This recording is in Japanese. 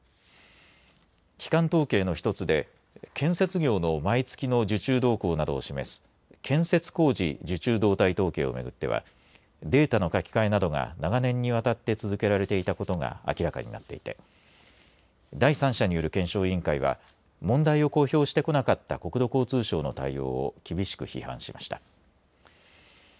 基幹統計の１つで建設業の毎月の受注動向などを示す建設工事受注動態統計をめぐってはデータの書き換えなどが長年にわたって続けられていたことが明らかになっていて第三者による検証委員会は問題を公表してこなかった国土交通省の対応を厳しく批判しました。